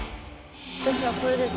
私はこれです。